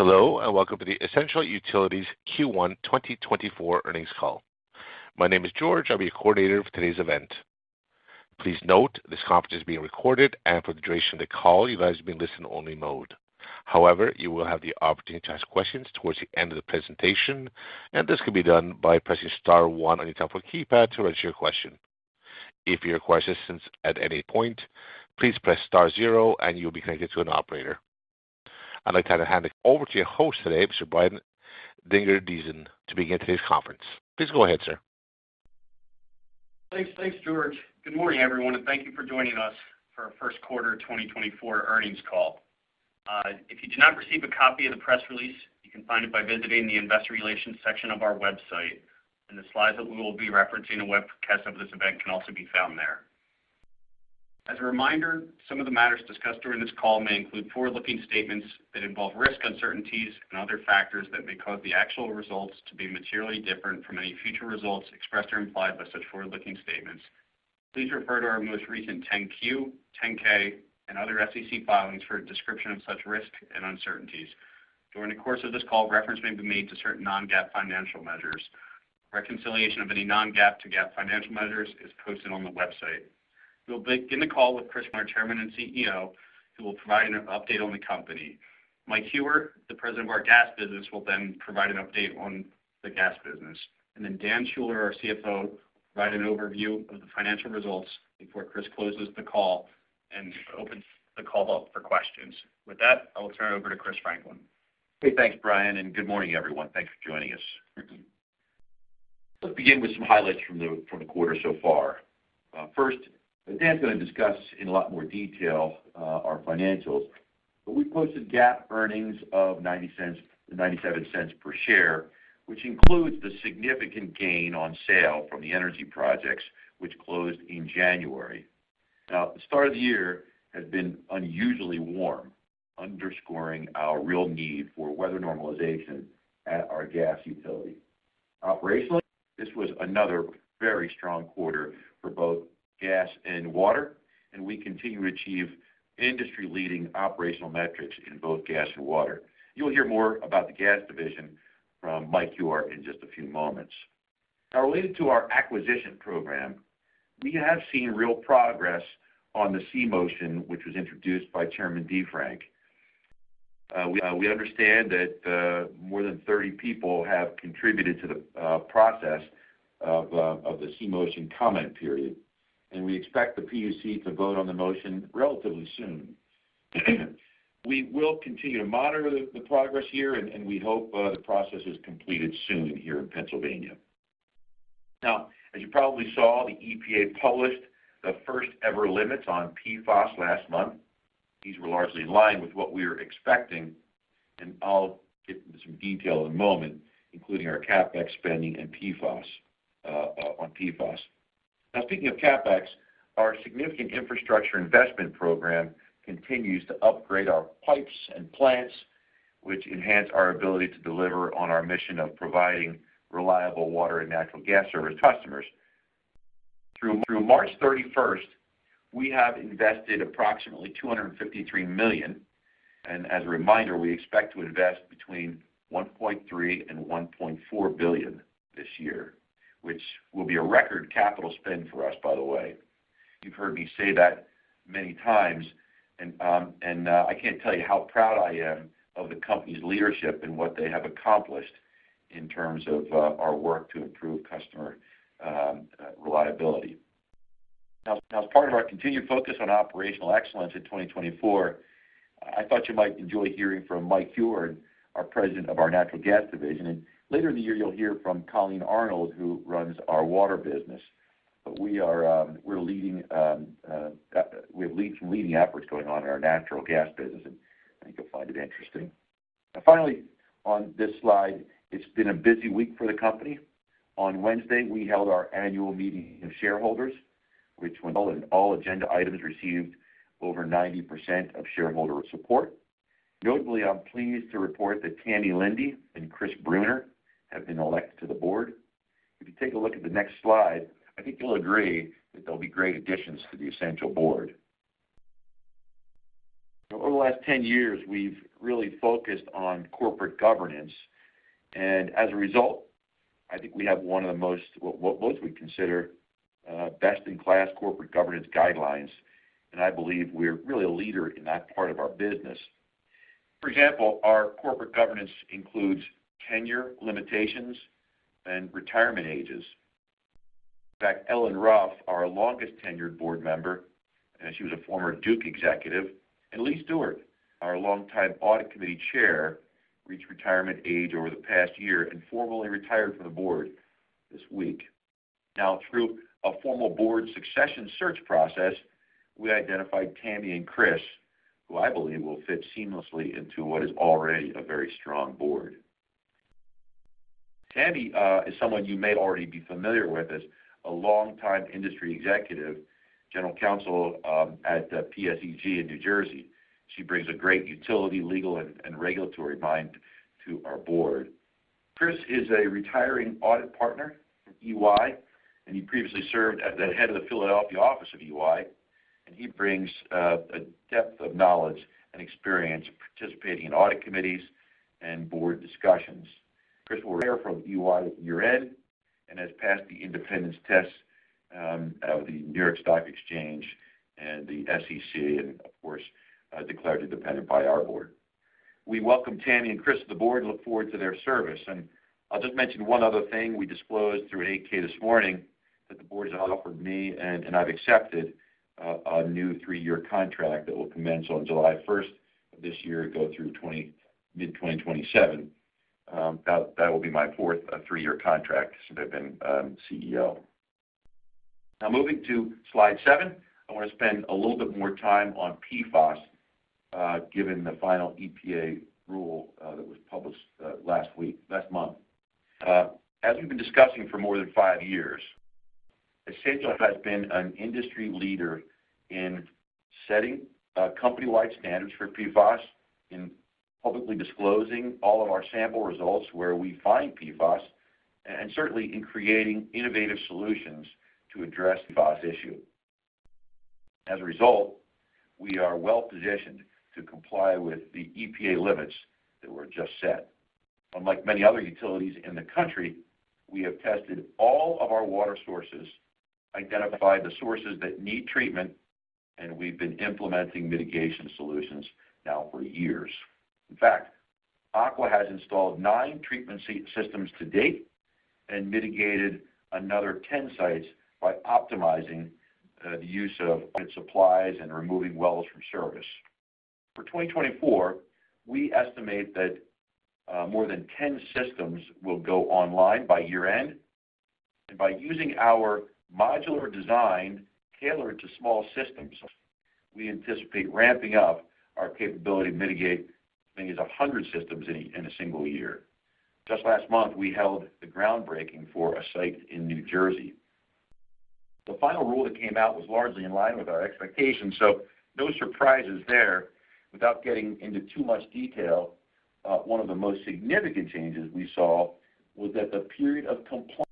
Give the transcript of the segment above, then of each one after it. Hello, and welcome to the Essential Utilities Q1 2024 earnings call. My name is George. I'll be your coordinator for today's event. Please note, this conference is being recorded, and for the duration of the call, you guys will be in listen-only mode. However, you will have the opportunity to ask questions towards the end of the presentation, and this can be done by pressing star one on your telephone keypad to register your question. If you require assistance at any point, please press star zero, and you'll be connected to an operator. I'd like to hand it over to your host today, Mr. Brian Dingerdissen, to begin today's conference. Please go ahead, sir. Thanks. Thanks, George. Good morning, everyone, and thank you for joining us for our first quarter of 2024 earnings call. If you did not receive a copy of the press release, you can find it by visiting the Investor Relations section of our website, and the slides that we will be referencing, a webcast of this event can also be found there. As a reminder, some of the matters discussed during this call may include forward-looking statements that involve risk, uncertainties, and other factors that may cause the actual results to be materially different from any future results expressed or implied by such forward-looking statements. Please refer to our most recent 10-Q, 10-K, and other SEC filings for a description of such risk and uncertainties. During the course of this call, reference may be made to certain non-GAAP financial measures. Reconciliation of any non-GAAP to GAAP financial measures is posted on the website. We'll begin the call with Chris, our Chairman and CEO, who will provide an update on the company. Mike Huwar, the President of our gas business, will then provide an update on the gas business, and then Dan Schuller, our CFO, provide an overview of the financial results before Chris closes the call and opens the call up for questions. With that, I'll turn it over to Chris Franklin. Okay, thanks, Brian, and good morning, everyone. Thanks for joining us. Let's begin with some highlights from the quarter so far. First, Dan's going to discuss in a lot more detail our financials, but we posted GAAP earnings of $0.90-$0.97 per share, which includes the significant gain on sale from the energy projects, which closed in January. Now, the start of the year has been unusually warm, underscoring our real need for weather normalization at our gas utility. Operationally, this was another very strong quarter for both gas and water, and we continue to achieve industry-leading operational metrics in both gas and water. You'll hear more about the gas division from Mike Huwar in just a few moments. Now, related to our acquisition program, we have seen real progress on the C Motion, which was introduced by Chairman DeFrank. We understand that more than 30 people have contributed to the process of the C Motion comment period, and we expect the PUC to vote on the motion relatively soon. We will continue to monitor the progress here, and we hope the process is completed soon here in Pennsylvania. Now, as you probably saw, the EPA published the first-ever limits on PFAS last month. These were largely in line with what we were expecting, and I'll get into some detail in a moment, including our CapEx spending and PFAS on PFAS. Now, speaking of CapEx, our significant infrastructure investment program continues to upgrade our pipes and plants, which enhance our ability to deliver on our mission of providing reliable water and natural gas service to customers. Through March 31, we have invested approximately $253 million, and as a reminder, we expect to invest between $1.3 billion and $1.4 billion this year, which will be a record capital spend for us, by the way. You've heard me say that many times, and I can't tell you how proud I am of the company's leadership and what they have accomplished in terms of our work to improve customer reliability. Now, as part of our continued focus on operational excellence in 2024, I thought you might enjoy hearing from Mike Huwar, our President of our Natural Gas Division. Later in the year, you'll hear from Colleen Arnold, who runs our water business. But we are, we're leading, we have lead, some leading efforts going on in our natural gas business, and I think you'll find it interesting. Now, finally, on this slide, it's been a busy week for the company. On Wednesday, we held our annual meeting of shareholders, which went well, and all agenda items received over 90% of shareholder support. Notably, I'm pleased to report that Tamara Linde and Christopher Brunner have been elected to the board. If you take a look at the next slide, I think you'll agree that they'll be great additions to the Essential board. Over the last 10 years, we've really focused on corporate governance, and as a result, I think we have one of the most, what most would consider, best-in-class corporate governance guidelines, and I believe we're really a leader in that part of our business. For example, our corporate governance includes tenure limitations and retirement ages. In fact, Ellen Ruff, our longest-tenured board member, and she was a former Duke executive, and Lee Stewart, our longtime audit committee chair, reached retirement age over the past year and formally retired from the board this week. Now, through a formal board succession search process, we identified Tammy and Chris, who I believe will fit seamlessly into what is already a very strong board. Tammy is someone you may already be familiar with as a longtime industry executive, general counsel at PSEG in New Jersey. She brings a great utility, legal, and regulatory mind to our board. Chris is a retiring audit partner at EY, and he previously served as the head of the Philadelphia office of EY, and he brings a depth of knowledge and experience participating in audit committees and board discussions. Chris will retire from EY at year-end and has passed the independence tests of the New York Stock Exchange and the SEC, and of course, declared independent by our board. We welcome Tammy and Chris to the board and look forward to their service. I'll just mention one other thing. We disclosed through an 8-K this morning that the board has offered me, and I've accepted, a new three-year contract that will commence on July 1st of this year and go through mid-2027. That will be my fourth three-year contract since I've been CEO. Now, moving to slide seven, I want to spend a little bit more time on PFAS, given the final EPA rule that was published last month. As we've been discussing for more than 5 years, Essential has been an industry leader in setting company-wide standards for PFAS, in publicly disclosing all of our sample results where we find PFAS, and certainly in creating innovative solutions to address the PFAS issue. As a result, we are well-positioned to comply with the EPA limits that were just set. Unlike many other utilities in the country, we have tested all of our water sources, identified the sources that need treatment, and we've been implementing mitigation solutions now for years. In fact, Aqua has installed 9 treatment systems to date and mitigated another 10 sites by optimizing the use of supplies and removing wells from service. For 2024, we estimate that more than 10 systems will go online by year-end. By using our modular design tailored to small systems, we anticipate ramping up our capability to mitigate as many as 100 systems in a single year. Just last month, we held the groundbreaking for a site in New Jersey. The final rule that came out was largely in line with our expectations, so no surprises there. Without getting into too much detail, one of the most significant changes we saw was that the period of compliance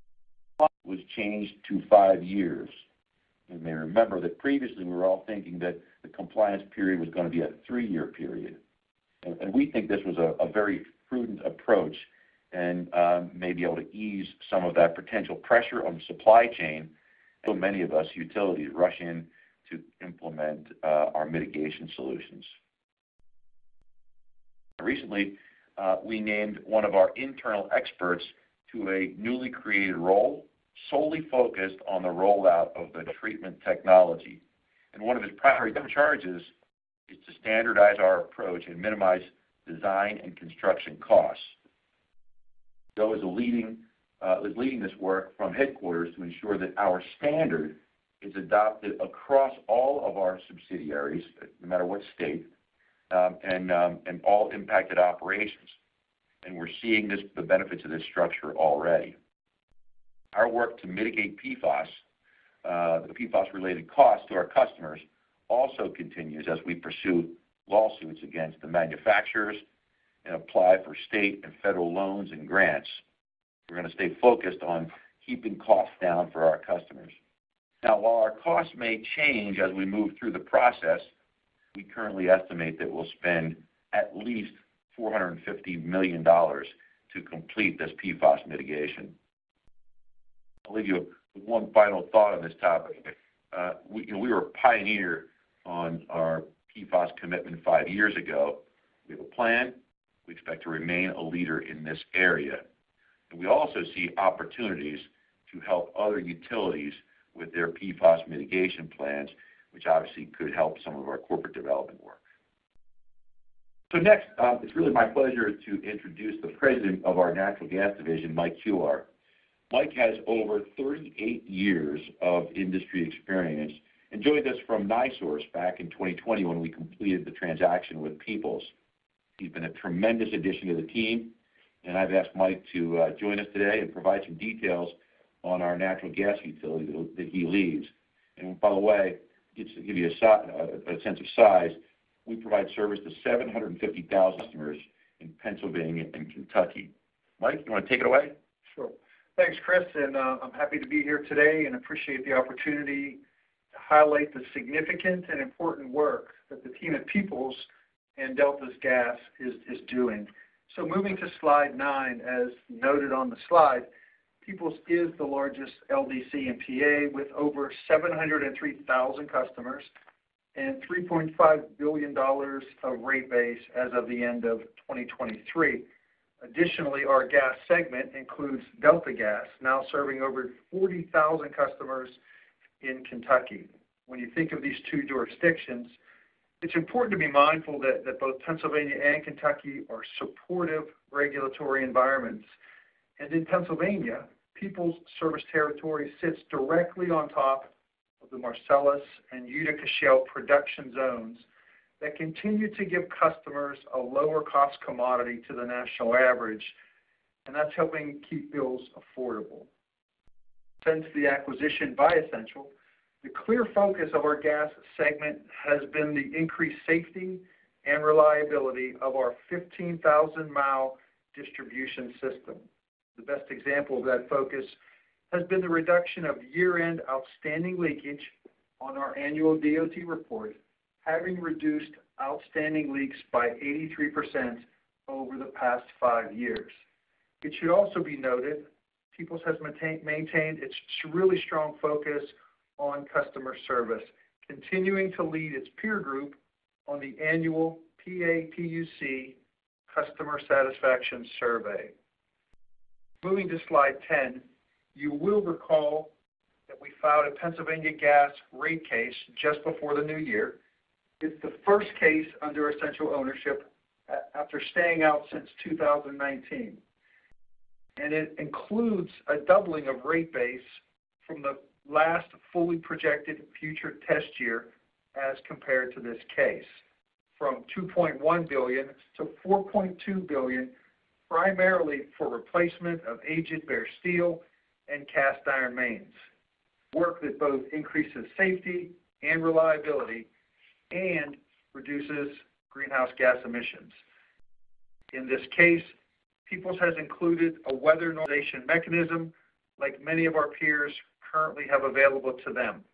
was changed to 5 years. You may remember that previously, we were all thinking that the compliance period was gonna be a 3-year period. We think this was a very prudent approach and may be able to ease some of that potential pressure on the supply chain, so many of us utilities rush in to implement our mitigation solutions. Recently, we named one of our internal experts to a newly created role, solely focused on the rollout of the treatment technology. One of his primary charges is to standardize our approach and minimize design and construction costs. Joe is leading this work from headquarters to ensure that our standard is adopted across all of our subsidiaries, no matter what state, and all impacted operations. We're seeing the benefits of this structure already. Our work to mitigate PFAS, the PFAS-related costs to our customers, also continues as we pursue lawsuits against the manufacturers and apply for state and federal loans and grants. We're going to stay focused on keeping costs down for our customers. Now, while our costs may change as we move through the process, we currently estimate that we'll spend at least $450 million to complete this PFAS mitigation. I'll leave you with one final thought on this topic. We were a pioneer on our PFAS commitment 5 years ago. We have a plan. We expect to remain a leader in this area, and we also see opportunities to help other utilities with their PFAS mitigation plans, which obviously could help some of our corporate development work. Next, it's really my pleasure to introduce the President of our Natural Gas Division, Mike Huwar. Mike has over 38 years of industry experience and joined us from NiSource back in 2020 when we completed the transaction with Peoples. He's been a tremendous addition to the team, and I've asked Mike to join us today and provide some details on our natural gas utility that he leads. And by the way, just to give you a sense of size, we provide service to 750,000 customers in Pennsylvania and Kentucky. Mike, you want to take it away? Sure. Thanks, Chris, and I'm happy to be here today and appreciate the opportunity to highlight the significant and important work that the team at Peoples and Delta Gas is doing. So moving to slide 9, as noted on the slide, Peoples is the largest LDC in PA, with over 703,000 customers and $3.5 billion of rate base as of the end of 2023. Additionally, our gas segment includes Delta Gas, now serving over 40,000 customers in Kentucky. When you think of these two jurisdictions, it's important to be mindful that both Pennsylvania and Kentucky are supportive regulatory environments. And in Pennsylvania, Peoples service territory sits directly on top of the Marcellus and Utica Shale production zones that continue to give customers a lower-cost commodity to the national average, and that's helping keep bills affordable. Since the acquisition by Essential, the clear focus of our gas segment has been the increased safety and reliability of our 15,000-mile distribution system. The best example of that focus has been the reduction of year-end outstanding leakage on our annual DOT report, having reduced outstanding leaks by 83% over the past five years. It should also be noted, Peoples has maintained its really strong focus on customer service, continuing to lead its peer group on the annual PA PUC Customer Satisfaction Survey. Moving to slide 10. You will recall that we filed a Pennsylvania gas rate case just before the new year. It's the first case under Essential ownership, after staying out since 2019, and it includes a doubling of rate base from the last fully projected future test year as compared to this case, from $2.1 billion-$4.2 billion, primarily for replacement of aged bare steel and cast iron mains. Work that both increases safety and reliability, and reduces greenhouse gas emissions. In this case, Peoples has included a weather normalization mechanism, like many of our peers currently have available to them.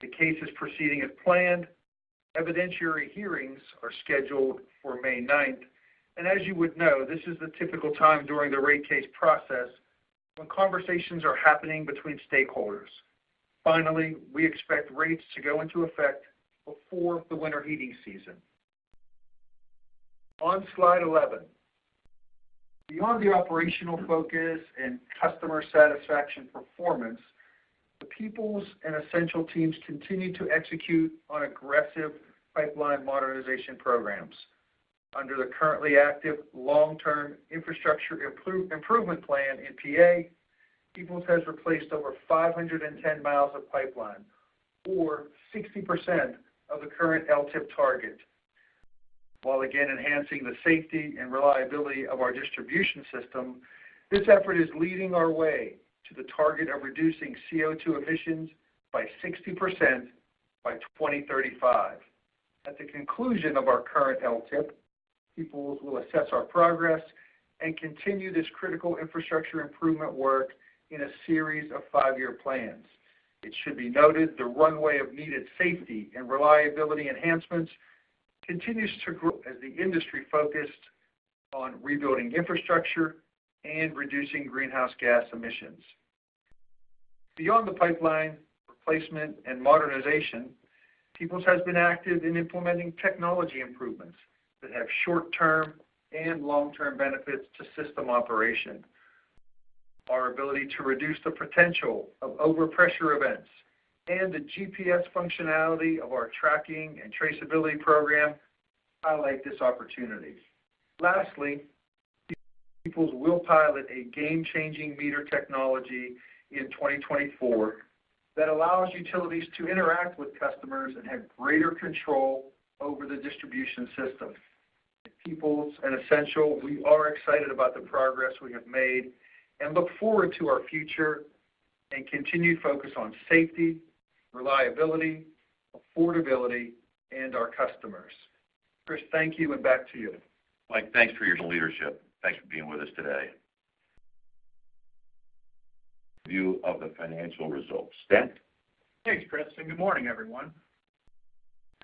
The case is proceeding as planned. Evidentiary hearings are scheduled for May 9th, and as you would know, this is the typical time during the rate case process when conversations are happening between stakeholders. Finally, we expect rates to go into effect before the winter heating season. On slide 11, beyond the operational focus and customer satisfaction performance, the Peoples and Essential teams continue to execute on aggressive pipeline modernization programs. Under the currently active long-term infrastructure improvement plan in PA, Peoples has replaced over 510 miles of pipeline, or 60% of the current LTIP target, while again enhancing the safety and reliability of our distribution system. This effort is leading our way to the target of reducing CO₂ emissions by 60% by 2035. At the conclusion of our current LTIP, Peoples will assess our progress and continue this critical infrastructure improvement work in a series of five-year plans. It should be noted, the runway of needed safety and reliability enhancements continues to grow as the industry focused on rebuilding infrastructure and reducing greenhouse gas emissions. Beyond the pipeline replacement and modernization, Peoples has been active in implementing technology improvements that have short-term and long-term benefits to system operation. Our ability to reduce the potential of overpressure events and the GPS functionality of our tracking and traceability program highlight this opportunity. Lastly, Peoples will pilot a game-changing meter technology in 2024, that allows utilities to interact with customers and have greater control over the distribution system. At Peoples and Essential, we are excited about the progress we have made and look forward to our future and continued focus on safety, reliability, affordability, and our customers. Chris, thank you, and back to you. Mike, thanks for your leadership. Thanks for being with us today. View of the financial results. Dan? Thanks, Chris, and good morning, everyone.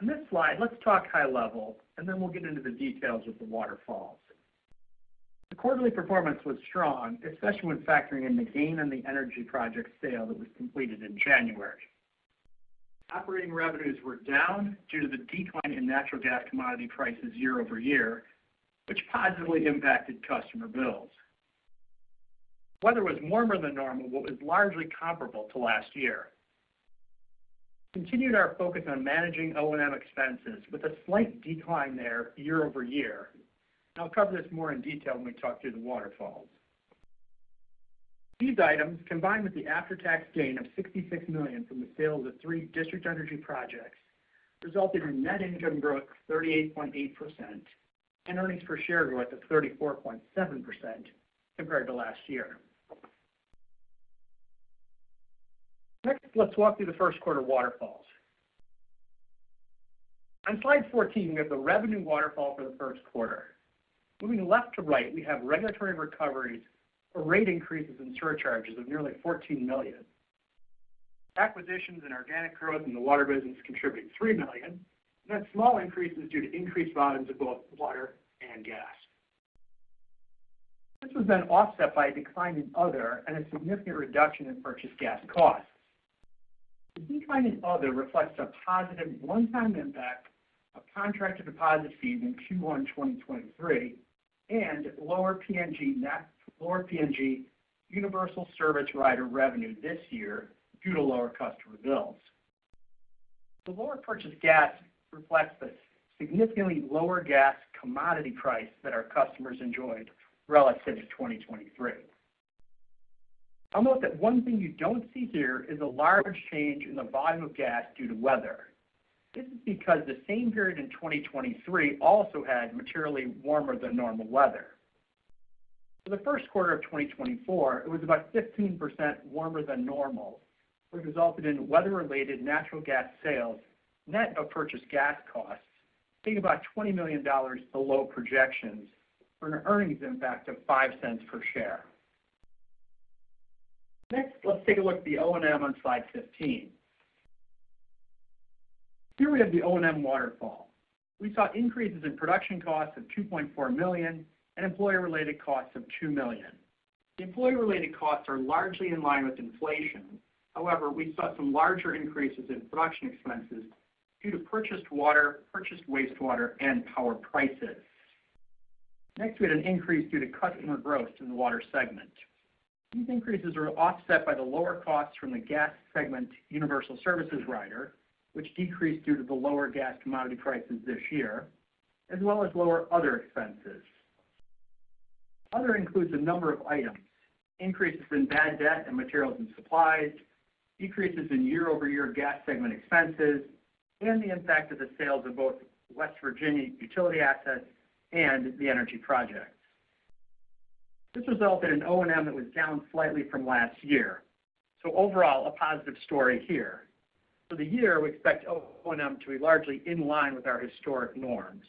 On this slide, let's talk high level, and then we'll get into the details of the waterfalls. The quarterly performance was strong, especially when factoring in the gain on the energy project sale that was completed in January. Operating revenues were down due to the decline in natural gas commodity prices year-over-year, which positively impacted customer bills. Weather was warmer than normal, but was largely comparable to last year. Continued our focus on managing O&M expenses with a slight decline there year-over-year. I'll cover this more in detail when we talk through the waterfalls. These items, combined with the after-tax gain of $66 million from the sale of the three district energy projects, resulted in net income growth of 38.8% and earnings per share growth of 34.7% compared to last year. Next, let's walk through the first quarter waterfalls. On slide 14, we have the revenue waterfall for the first quarter. Moving left to right, we have regulatory recoveries or rate increases in surcharges of nearly $14 million. Acquisitions and organic growth in the water business contributed $3 million, and that small increase is due to increased volumes of both water and gas. This was then offset by a decline in other and a significant reduction in purchased gas costs. The decline in other reflects a positive one-time impact of contracted deposit fees in Q1 2023, and lower PNG universal service rider revenue this year due to lower customer bills. The lower purchased gas reflects the significantly lower gas commodity price that our customers enjoyed relative to 2023. I'll note that one thing you don't see here is a large change in the volume of gas due to weather. This is because the same period in 2023 also had materially warmer than normal weather. For the first quarter of 2024, it was about 15% warmer than normal, which resulted in weather-related natural gas sales, net of purchased gas costs, taking about $20 million below projections, for an earnings impact of $0.05 per share. Next, let's take a look at the O&M on slide 15. Here we have the O&M waterfall. We saw increases in production costs of $2.4 million and employee-related costs of $2 million. The employee-related costs are largely in line with inflation. However, we saw some larger increases in production expenses due to purchased water, purchased wastewater, and power prices. Next, we had an increase due to customer growth in the water segment. These increases are offset by the lower costs from the gas segment universal services rider, which decreased due to the lower gas commodity prices this year, as well as lower other expenses. Other includes a number of items: increases in bad debt and materials and supplies, decreases in year-over-year gas segment expenses, and the impact of the sales of both West Virginia utility assets and the energy projects. This resulted in an O&M that was down slightly from last year. So overall, a positive story here. For the year, we expect O&M to be largely in line with our historic norms.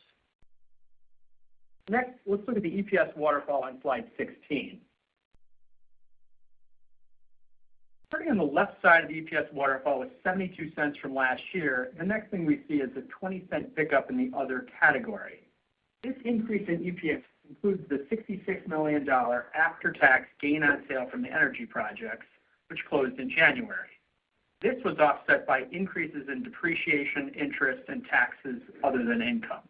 Next, let's look at the EPS waterfall on slide 16. Starting on the left side of the EPS waterfall with $0.72 from last year, the next thing we see is a $0.20 pickup in the other category. This increase in EPS includes the $66 million after-tax gain on sale from the energy projects, which closed in January. This was offset by increases in depreciation, interest, and taxes other than income.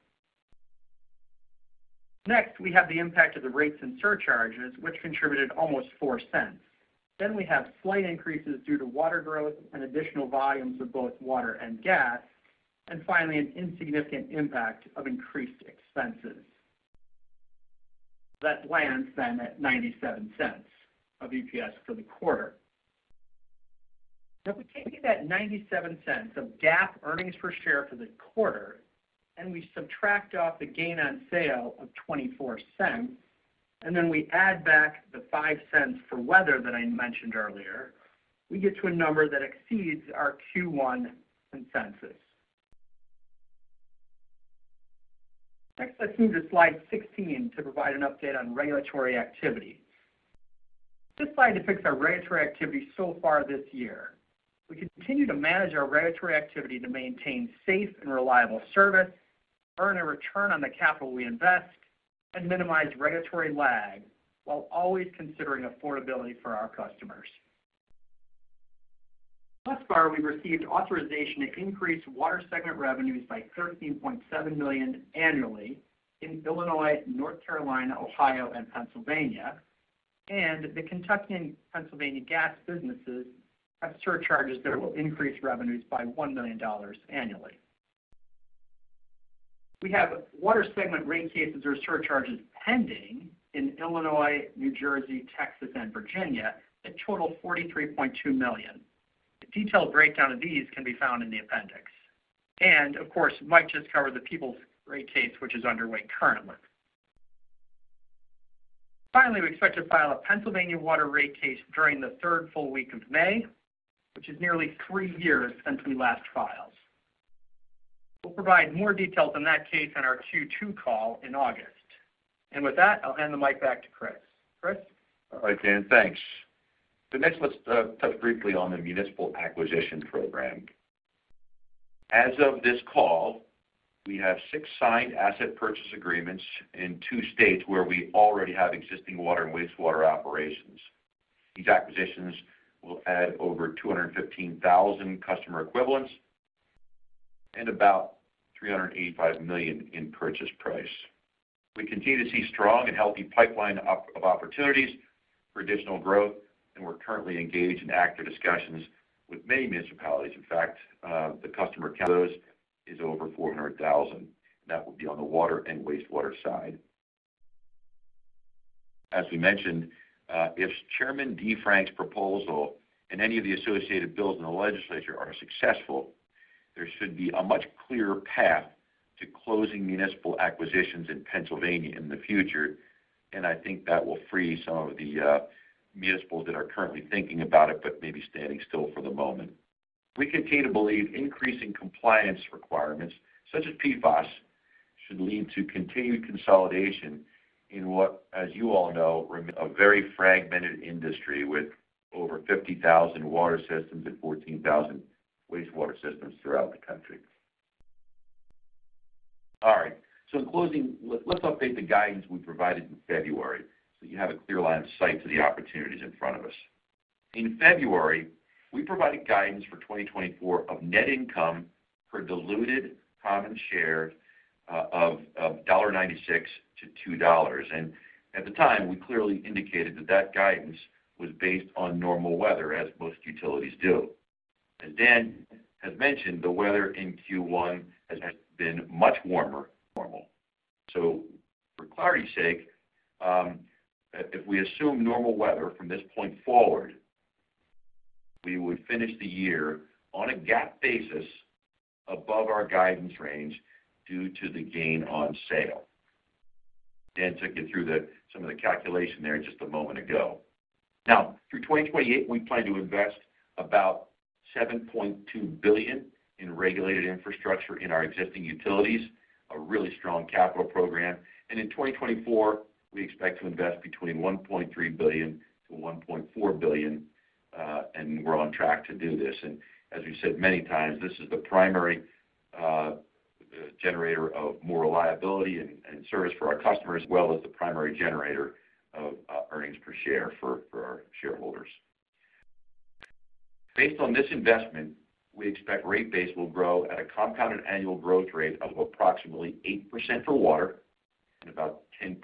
Next, we have the impact of the rates and surcharges, which contributed almost $0.04 cents. Then we have slight increases due to water growth and additional volumes of both water and gas, and finally, an insignificant impact of increased expenses. That lands them at $0.97 cents of EPS for the quarter. Now, if we take that $0.97 of GAAP earnings per share for the quarter, and we subtract off the gain on sale of $0.24, and then we add back the $0.05 for weather that I mentioned earlier, we get to a number that exceeds our Q1 consensus. Next, let's move to slide 16 to provide an update on regulatory activity. This slide depicts our regulatory activity so far this year. We continue to manage our regulatory activity to maintain safe and reliable service, earn a return on the capital we invest, and minimize regulatory lag, while always considering affordability for our customers. Thus far, we've received authorization to increase water segment revenues by $13.7 million annually in Illinois, North Carolina, Ohio, and Pennsylvania, and the Kentucky and Pennsylvania gas businesses have surcharges that will increase revenues by $1 million annually. We have water segment rate cases or surcharges pending in Illinois, New Jersey, Texas, and Virginia, that total $43.2 million. The detailed breakdown of these can be found in the appendix. And of course, Mike just covered the Peoples rate case, which is underway currently. Finally, we expect to file a Pennsylvania water rate case during the third full week of May, which is nearly three years since we last filed. We'll provide more details on that case on our Q2 call in August. And with that, I'll hand the mic back to Chris. Chris? All right, Dan, thanks. So next, let's touch briefly on the municipal acquisition program. As of this call, we have six signed asset purchase agreements in two states where we already have existing water and wastewater operations. These acquisitions will add over 215,000 customer equivalents and about $385 million in purchase price. We continue to see strong and healthy pipeline of opportunities for additional growth, and we're currently engaged in active discussions with many municipalities. In fact, the customer count is over 400,000, and that will be on the water and wastewater side. As we mentioned, if Chairman DeFrank's proposal and any of the associated bills in the legislature are successful, there should be a much clearer path to closing municipal acquisitions in Pennsylvania in the future, and I think that will free some of the municipalities that are currently thinking about it, but maybe standing still for the moment. We continue to believe increasing compliance requirements, such as PFAS, should lead to continued consolidation in what, as you all know, remains a very fragmented industry with over 50,000 water systems and 14,000 wastewater systems throughout the country. All right. So in closing, let's update the guidance we provided in February, so you have a clear line of sight to the opportunities in front of us. In February, we provided guidance for 2024 of net income per diluted common share of $1.96-$2. At the time, we clearly indicated that that guidance was based on normal weather, as most utilities do. As Dan has mentioned, the weather in Q1 has been much warmer than normal. So for clarity's sake, if we assume normal weather from this point forward, we would finish the year on a GAAP basis above our guidance range due to the gain on sale. Dan took you through some of the calculation there just a moment ago. Now, through 2028, we plan to invest about $7.2 billion in regulated infrastructure in our existing utilities, a really strong capital program. In 2024, we expect to invest between $1.3 billion-$1.4 billion, and we're on track to do this. As we've said many times, this is the primary generator of more reliability and, and service for our customers, as well as the primary generator of earnings per share for, for our shareholders. Based on this investment, we expect rate base will grow at a compounded annual growth rate of approximately 8% for water and about 10%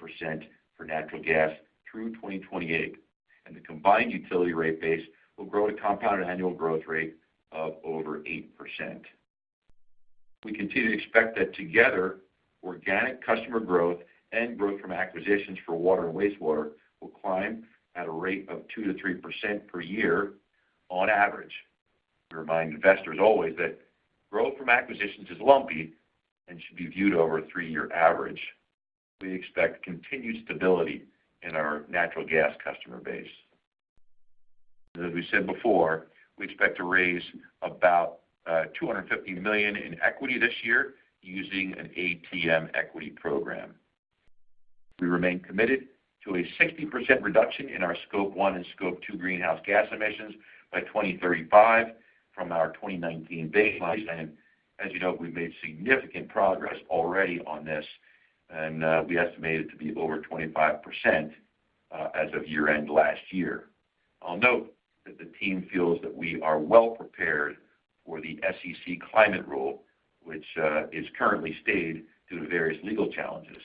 for natural gas through 2028, and the combined utility rate base will grow at a compounded annual growth rate of over 8%. We continue to expect that together, organic customer growth and growth from acquisitions for water and wastewater will climb at a rate of 2%-3% per year on average. We remind investors always that growth from acquisitions is lumpy and should be viewed over a 3-year average. We expect continued stability in our natural gas customer base. As we said before, we expect to raise about $250 million in equity this year using an ATM equity program. We remain committed to a 60% reduction in our Scope 1 and Scope 2 greenhouse gas emissions by 2035 from our 2019 baseline. As you know, we've made significant progress already on this, and we estimate it to be over 25%, as of year-end last year. I'll note that the team feels that we are well prepared for the SEC climate rule, which is currently stayed due to various legal challenges.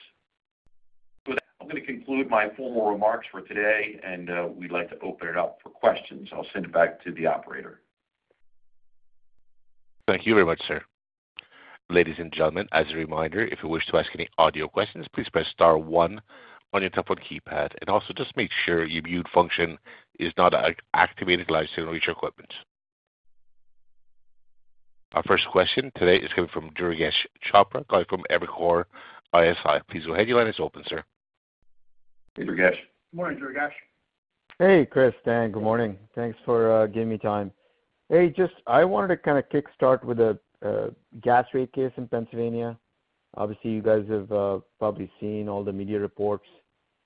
So I'm going to conclude my formal remarks for today, and we'd like to open it up for questions. I'll send it back to the operator. Thank you very much, sir. Ladies and gentlemen, as a reminder, if you wish to ask any audio questions, please press star one on your telephone keypad, and also just make sure your mute function is not activated alongside on your equipment. Our first question today is coming from Durgesh Chopra, calling from Evercore ISI. Please go ahead. Your line is open, sir. Hey, Durgesh. Good morning, Durgesh. Hey, Chris, Dan, good morning. Thanks for giving me time. Hey, just I wanted to kind of kickstart with the gas rate case in Pennsylvania. Obviously, you guys have probably seen all the media reports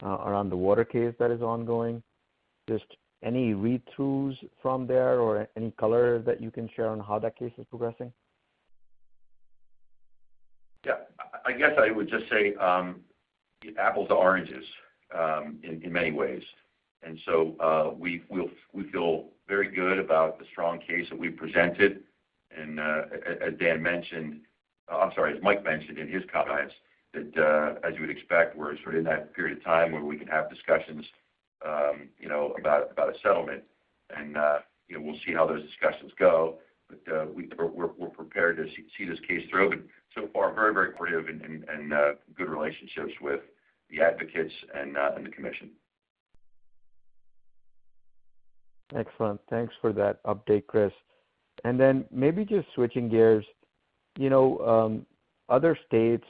around the water case that is ongoing. Just any read-throughs from there or any color that you can share on how that case is progressing? Yeah, I guess I would just say apples to oranges in many ways. And so, we'll feel very good about the strong case that we presented. And, as Dan mentioned, I'm sorry, as Mike mentioned in his comments, that, as you would expect, we're sort of in that period of time where we can have discussions, you know, about a settlement. And, you know, we'll see how those discussions go. But, we're prepared to see this case through, but so far, very creative and good relationships with the advocates and the commission. Excellent. Thanks for that update, Chris. And then maybe just switching gears, you know, other states,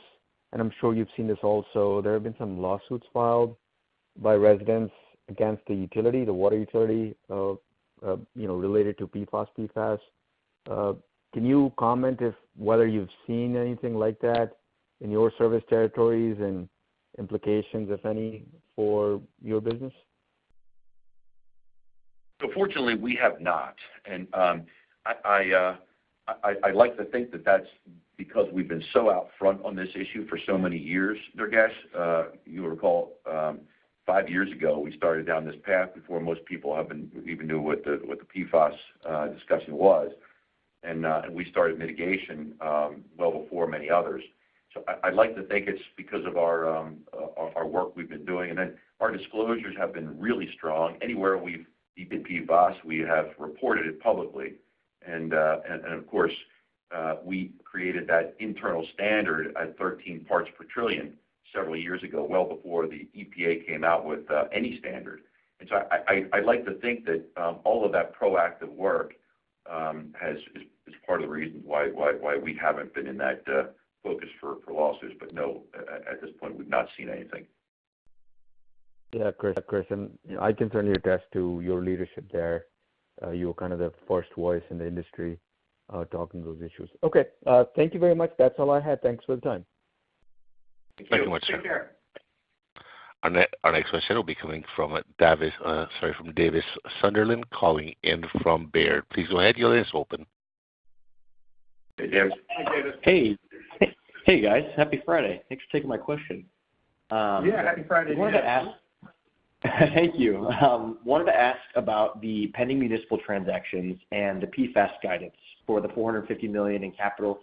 and I'm sure you've seen this also, there have been some lawsuits filed by residents against the utility, the water utility, you know, related to PFAS. Can you comment if whether you've seen anything like that in your service territories and implications, if any, for your business? So fortunately, we have not. And, I like to think that that's because we've been so out front on this issue for so many years, Durgesh. You'll recall, five years ago, we started down this path before most people even knew what the PFAS discussion was. And, we started mitigation, well before many others. So I'd like to think it's because of our work we've been doing. And then our disclosures have been really strong. Anywhere we've seen PFAS, we have reported it publicly. And, of course, we created that internal standard at 13 parts per trillion several years ago, well before the EPA came out with any standard. And so I'd like to think that all of that proactive work is part of the reason why we haven't been in that focus for lawsuits, but no, at this point, we've not seen anything. Yeah, Chris, Chris, and I can turn your test to your leadership there. You were kind of the first voice in the industry, talking those issues. Okay, thank you very much. That's all I had. Thanks for the time. Thank you much, sir. Take care. Our next question will be coming from Davis Sunderland, calling in from Baird. Please go ahead, your line is open. Hey, Davis. Hey, Davis. Hey, hey, guys, happy Friday. Thanks for taking my question. Yeah, happy Friday to you. Thank you. Wanted to ask about the pending municipal transactions and the PFAS guidance for the $450 million in capital.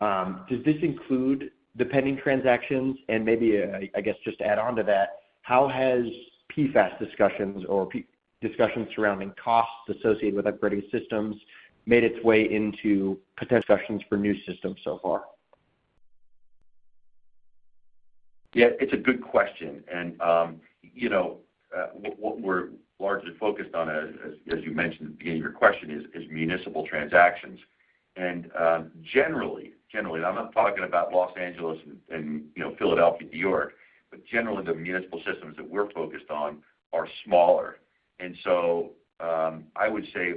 Does this include the pending transactions? And maybe, I guess, just to add on to that, how has PFAS discussions or [PFAS] discussions surrounding costs associated with upgrading systems made its way into potential discussions for new systems so far? Yeah, it's a good question. And, you know, what we're largely focused on, as you mentioned at the beginning of your question, is municipal transactions. And, generally, and I'm not talking about Los Angeles and, you know, Philadelphia, New York, but generally, the municipal systems that we're focused on are smaller. And so, I would say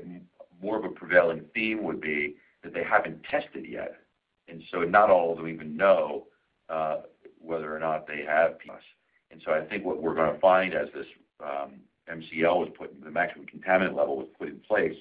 more of a prevailing theme would be that they haven't tested yet, and so not all of them even know, whether or not they have PFAS. And so I think what we're gonna find as this, MCL was put, the maximum contaminant level, was put in place,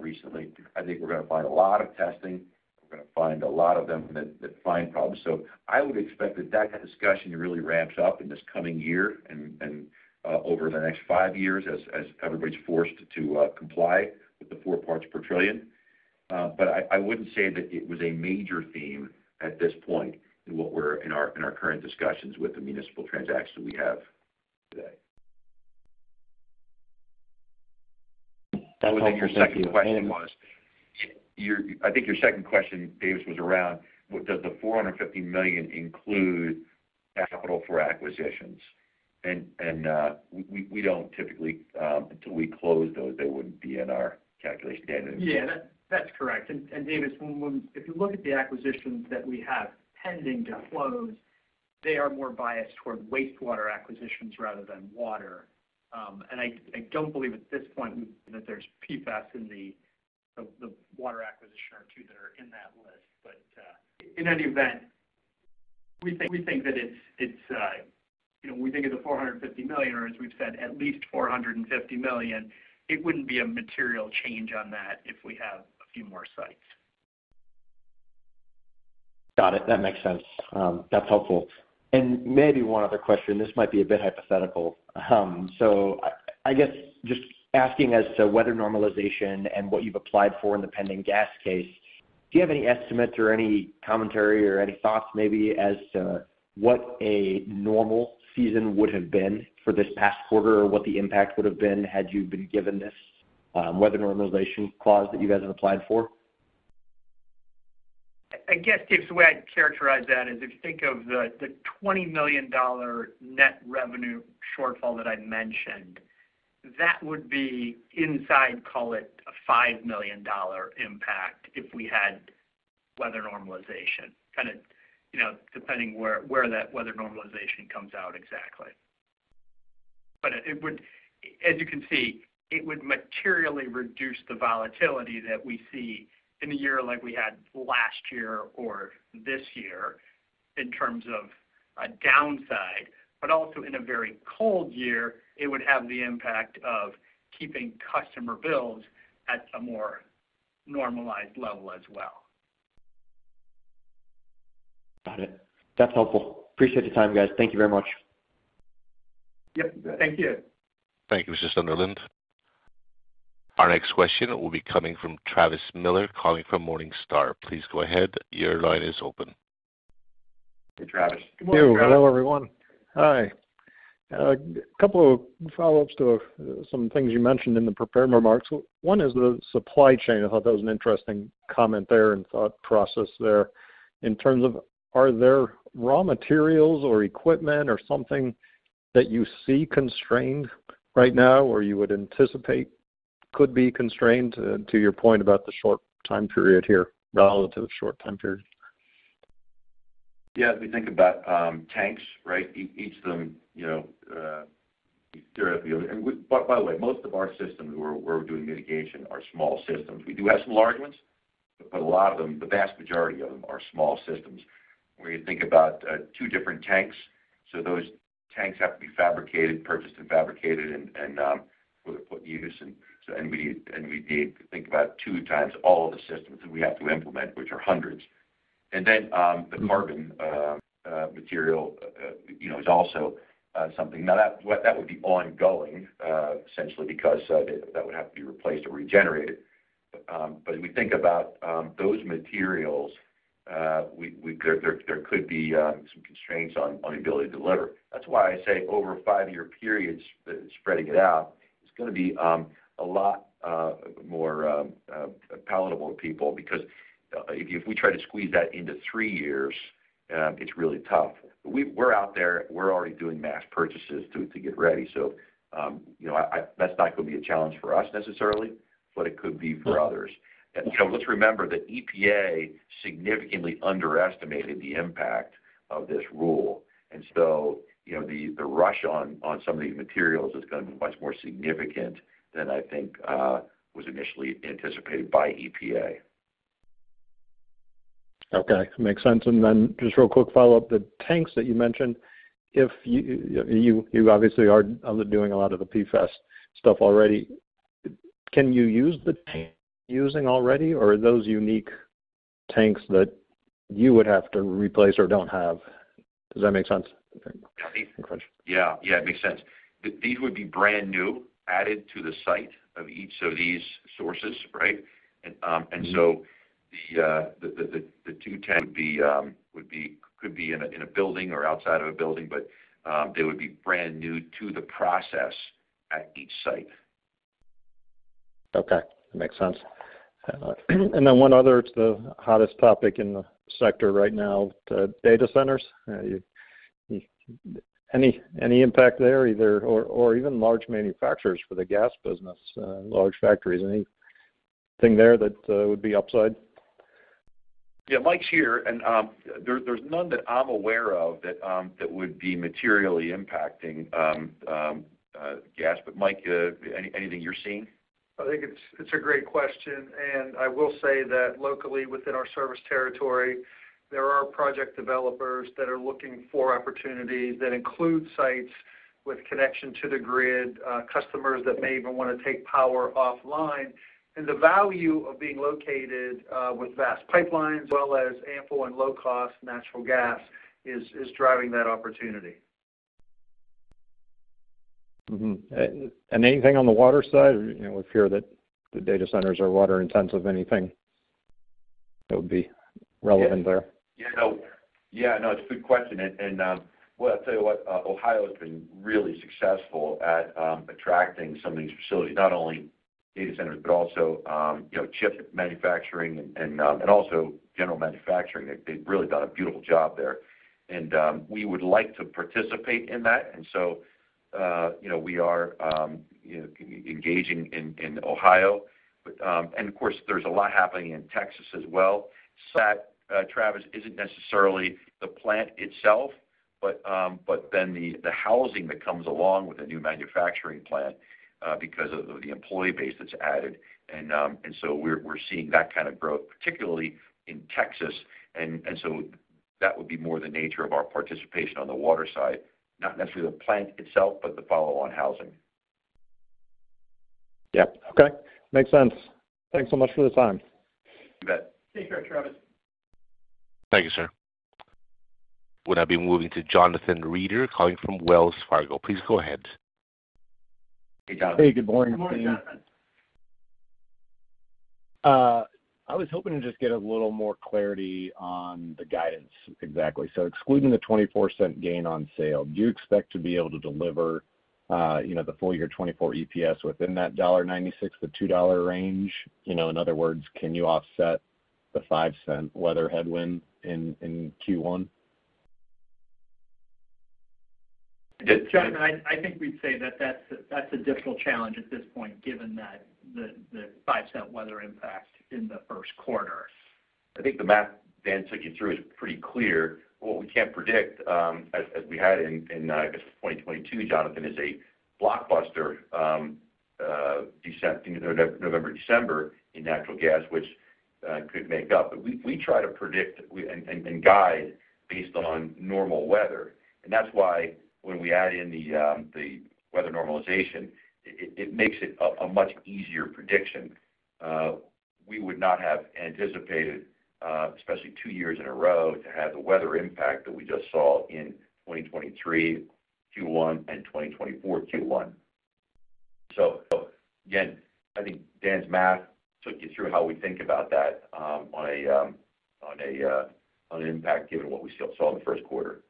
recently, I think we're gonna find a lot of testing. We're gonna find a lot of them that find problems. So I would expect that that discussion really ramps up in this coming year and over the next 5 years as everybody's forced to comply with the four parts per trillion. But I wouldn't say that it was a major theme at this point in our current discussions with the municipal transactions we have today. That was it. I think your second question, Davis, was around, what, does the $450 million include capital for acquisitions? And we don't typically, until we close those, they wouldn't be in our calculation then. Yeah, that's correct. And Davis, when if you look at the acquisitions that we have pending to close, they are more biased toward wastewater acquisitions rather than water. And I don't believe at this point that there's PFAS in the water acquisition or two that are in that list. But in any event, we think that it's, you know, when we think of the $450 million, or as we've said, at least $450 million, it wouldn't be a material change on that if we have a few more sites. Got it. That makes sense. That's helpful. And maybe one other question, this might be a bit hypothetical. So I, I guess just asking as to whether normalization and what you've applied for in the pending gas case, do you have any estimates or any commentary or any thoughts maybe as to what a normal season would have been for this past quarter, or what the impact would have been had you been given this, weather normalization clause that you guys have applied for? I guess, Davis, the way I'd characterize that is if you think of the twenty million dollar net revenue shortfall that I mentioned, that would be inside, call it, a five million dollar impact if we had weather normalization, kind of, you know, depending where that weather normalization comes out exactly. But it would, as you can see, materially reduce the volatility that we see in a year like we had last year or this year in terms of a downside, but also in a very cold year, it would have the impact of keeping customer bills at a more normalized level as well. Got it. That's helpful. Appreciate the time, guys. Thank you very much. Yep. Thank you. Thank you, Mr. Sunderland. Our next question will be coming from Travis Miller, calling from Morningstar. Please go ahead. Your line is open. Hey, Travis. Good morning, Travis. Thank you. Hello, everyone. Hi. A couple of follow-ups to some things you mentioned in the prepared remarks. One is the supply chain. I thought that was an interesting comment there and thought process there. In terms of, are there raw materials or equipment or something that you see constrained right now or you would anticipate could be constrained, to your point about the short time period here, relatively short time period? Yeah, we think about tanks, right? Each of them, you know, there are the... And we—by the way, most of our systems where we're doing mitigation are small systems. We do have some large ones, but a lot of them, the vast majority of them, are small systems. When you think about two different tanks, so those tanks have to be fabricated, purchased, and fabricated and put in unison. So and we need to think about two times all of the systems that we have to implement, which are hundreds. And then the carbon material, you know, is also something. Now, that would be ongoing essentially because that would have to be replaced or regenerated. But if we think about those materials, there could be some constraints on the ability to deliver. That's why I say over a five-year period, spreading it out, is gonna be a lot more palatable to people, because if we try to squeeze that into three years, it's really tough. We're out there, we're already doing mass purchases to get ready. So, you know, that's not gonna be a challenge for us necessarily, but it could be for others. And so let's remember that EPA significantly underestimated the impact of this rule, and so, you know, the rush on some of these materials is gonna be much more significant than I think was initially anticipated by EPA. Okay. Makes sense. Then just real quick follow-up, the tanks that you mentioned, if you obviously are doing a lot of the PFAS stuff already. Can you use the tanks you're using already, or are those unique tanks that you would have to replace or don't have? Does that make sense? Yeah. Yeah, it makes sense. These would be brand new, added to the site of each of these sources, right? And so the two tanks would be, could be in a building or outside of a building, but they would be brand new to the process at each site. Okay, that makes sense. And then one other, it's the hottest topic in the sector right now, the data centers. You any impact there, either or even large manufacturers for the gas business, large factories, anything there that would be upside? Yeah, Mike's here, and there's none that I'm aware of that would be materially impacting gas. But Mike, anything you're seeing? I think it's a great question, and I will say that locally within our service territory, there are project developers that are looking for opportunities that include sites with connection to the grid, customers that may even want to take power offline. The value of being located with vast pipelines as well as ample and low-cost natural gas is driving that opportunity. Mm-hmm. And, and anything on the water side? You know, we hear that the data centers are water intensive. Anything that would be relevant there? Yeah, no. Yeah, no, it's a good question. Well, I'll tell you what, Ohio has been really successful at attracting some of these facilities, not only data centers, but also, you know, chip manufacturing and also general manufacturing. They've really done a beautiful job there. We would like to participate in that, and so, you know, we are, you know, engaging in Ohio. But, of course, there's a lot happening in Texas as well. That, Travis, isn't necessarily the plant itself, but then the housing that comes along with a new manufacturing plant, because of the employee base that's added. So we're seeing that kind of growth, particularly in Texas. And so that would be more the nature of our participation on the water side, not necessarily the plant itself, but the follow-on housing. Yeah. Okay. Makes sense. Thanks so much for the time. You bet. Take care, Travis. Thank you, sir. We'll now be moving to Jonathan Reeder, calling from Wells Fargo. Please go ahead. Hey, Jonathan. Hey, good morning. Good morning, Jonathan. I was hoping to just get a little more clarity on the guidance exactly. So excluding the $0.24 gain on sale, do you expect to be able to deliver, you know, the full year 2024 EPS within that $1.96-$2 range? You know, in other words, can you offset the $0.05 weather headwind in Q1? Jonathan, I think we'd say that that's a difficult challenge at this point, given that the $0.05 weather impact in the first quarter. I think the math Dan took you through is pretty clear. What we can't predict, as we had in 2022, Jonathan, is a blockbuster, November, December in natural gas, which could make up. But we try to predict and guide based on normal weather. And that's why when we add in the weather normalization, it makes it a much easier prediction. We would not have anticipated, especially two years in a row, to have the weather impact that we just saw in 2023 Q1 and 2024 Q1. So, again, I think Dan's math took you through how we think about that, on an impact given what we saw in the first quarter.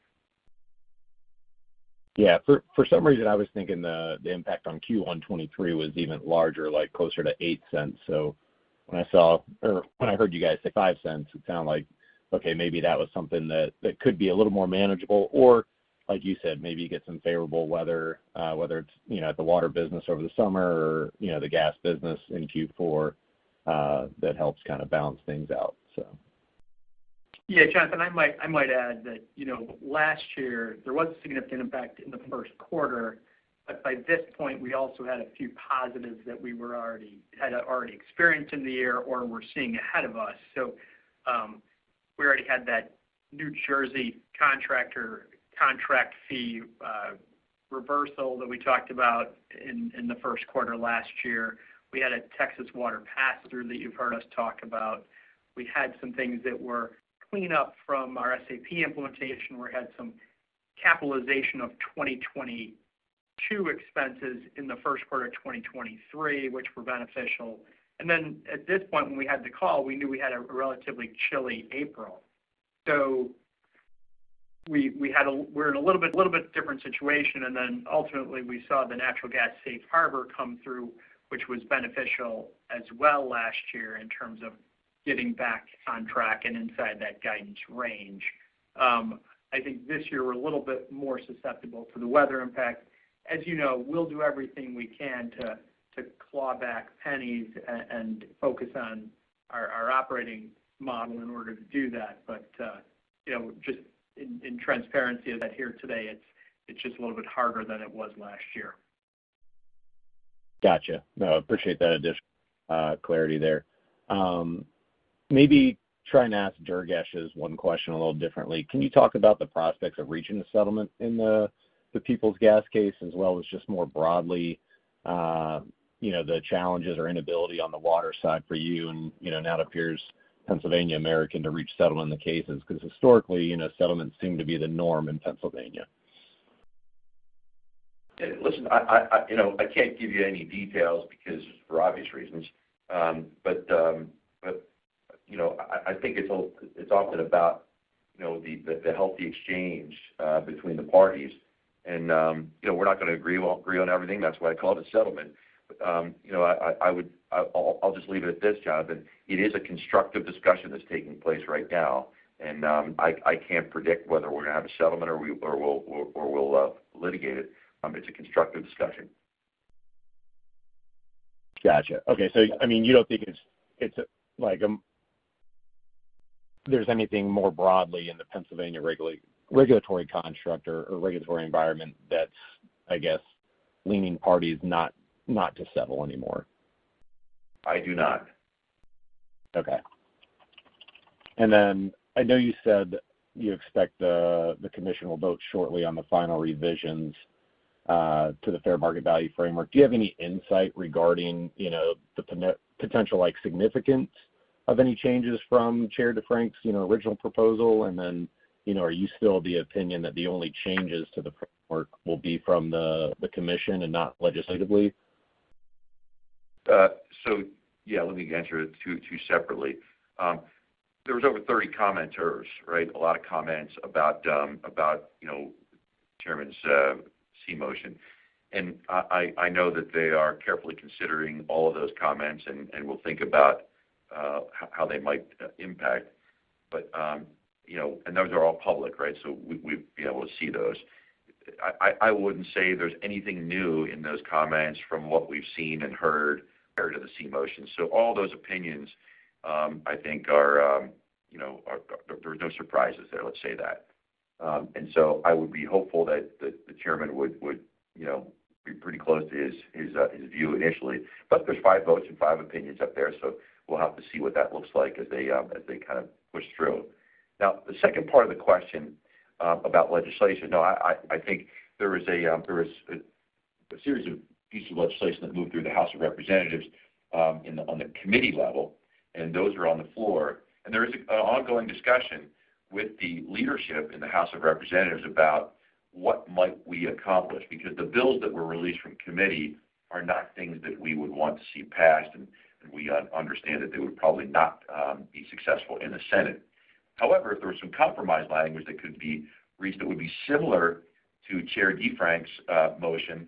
Yeah. For some reason, I was thinking the impact on Q1 2023 was even larger, like closer to $0.08. So when I saw, or when I heard you guys say $0.05, it sounded like, okay, maybe that was something that could be a little more manageable. Or, like you said, maybe you get some favorable weather, whether it's, you know, at the water business over the summer or, you know, the gas business in Q4, that helps kind of balance things out, so. Yeah, Jonathan, I might, I might add that, you know, last year there was a significant impact in the first quarter, but by this point, we also had a few positives that we were already had already experienced in the year or were seeing ahead of us. So, we already had that New Jersey contract fee reversal that we talked about in the first quarter last year. We had a Texas water pass-through that you've heard us talk about. We had some things that were clean up from our SAP implementation. We had some capitalization of 2022 expenses in the first quarter of 2023, which were beneficial. And then at this point, when we had the call, we knew we had a relatively chilly April. So we were in a little bit different situation, and then ultimately, we saw the natural gas safe harbor come through, which was beneficial as well last year in terms of getting back on track and inside that guidance range. I think this year we're a little bit more susceptible to the weather impact. As you know, we'll do everything we can to claw back pennies and focus on our operating model in order to do that. But you know, just in transparency of that here today, it's just a little bit harder than it was last year. Gotcha. No, I appreciate that addition, clarity there. Maybe try and ask Durgesh's one question a little differently. Can you talk about the prospects of reaching the settlement in the, the Peoples Gas case, as well as just more broadly, you know, the challenges or inability on the water side for you, and, you know, now it appears Pennsylvania American to reach settlement in the cases? Because historically, you know, settlements seem to be the norm in Pennsylvania. Listen, you know, I can't give you any details because for obvious reasons. But you know, I think it's all about the healthy exchange between the parties. And you know, we're not gonna agree on everything, that's why I called it a settlement. You know, I'll just leave it at this, Chad, that it is a constructive discussion that's taking place right now, and I can't predict whether we're gonna have a settlement or we'll litigate it. It's a constructive discussion. Gotcha. Okay. So, I mean, you don't think it's a, like, there's anything more broadly in the Pennsylvania regulatory construct or regulatory environment that's, I guess, leaning parties not to settle anymore? I do not. Okay. And then I know you said you expect the commission will vote shortly on the final revisions to the fair market value framework. Do you have any insight regarding, you know, the potential like, significance of any changes from Chair DeFrank's, you know, original proposal? And then, you know, are you still of the opinion that the only changes to the framework will be from the commission and not legislatively? So yeah, let me answer it two separately. There was over 30 commenters, right? A lot of comments about, about, you know, the Chairman's C Motion. And I know that they are carefully considering all of those comments and will think about how they might impact. But you know, and those are all public, right? So we'd be able to see those. I wouldn't say there's anything new in those comments from what we've seen and heard prior to the CMotion. So all those opinions, I think are, you know, there are no surprises there, let's say that. And so I would be hopeful that the Chairman would, you know, be pretty close to his view initially. Plus, there's 5 votes and 5 opinions up there, so we'll have to see what that looks like as they kind of push through. Now, the second part of the question about legislation. No, I think there was a series of pieces of legislation that moved through the House of Representatives in the on the committee level, and those are on the floor. And there is a ongoing discussion with the leadership in the House of Representatives about what might we accomplish, because the bills that were released from committee are not things that we would want to see passed, and we understand that they would probably not be successful in the Senate. However, if there was some compromise language that could be reached, that would be similar to Chair DeFrank's motion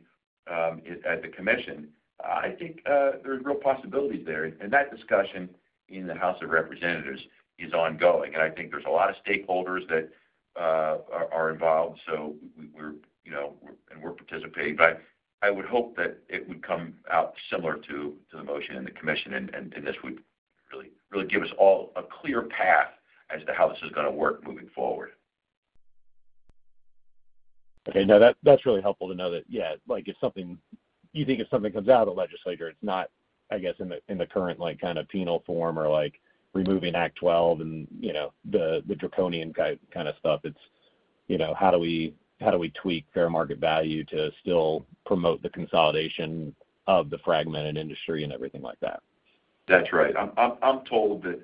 at the commission. I think there's real possibilities there. And that discussion in the House of Representatives is ongoing, and I think there's a lot of stakeholders that are involved. So we're, you know, and we're participating. But I would hope that it would come out similar to the motion and the commission, and this would really, really give us all a clear path as to how this is gonna work moving forward. Okay. No, that's really helpful to know that, yeah, like, if something you think if something comes out of the legislature, it's not, I guess, in the current, like, kind of penal form or like removing Act 12 and, you know, the draconian kind of stuff. It's, you know, how do we how do we tweak fair market value to still promote the consolidation of the fragmented industry and everything like that? That's right. I'm told that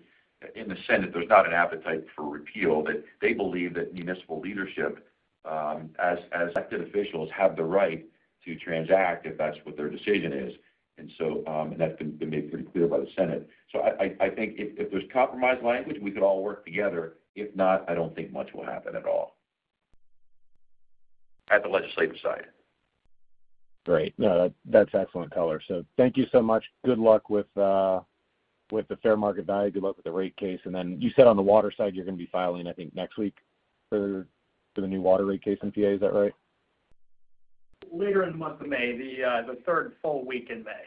in the Senate, there's not an appetite for repeal, that they believe that municipal leadership, as elected officials, have the right to transact if that's what their decision is. And so, and that's been made pretty clear by the Senate. So I think if there's compromised language, we could all work together. If not, I don't think much will happen at all, at the legislative side. Great. No, that, that's excellent color. So thank you so much. Good luck with, with the fair market value. Good luck with the rate case. And then you said on the water side, you're gonna be filing, I think, next week for, for the new water rate case in PA, is that right? Later in the month of May, the third full week in May.